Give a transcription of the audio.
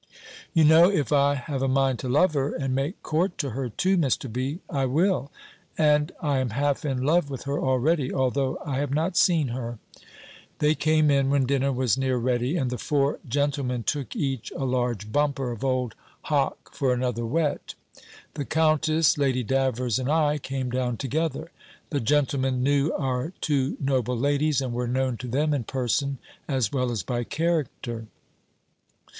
"You know, if I have a mind to love her, and make court to her too, Mr. B., I will: and I am half in love with her already, although I have not seen her." They came in when dinner was near ready, and the four gentlemen took each a large bumper of old hock for another whet. The countess, Lady Davers, and I came down together. The gentlemen knew our two noble ladies, and were known to them in person, as well as by character.